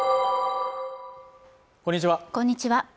こんにちは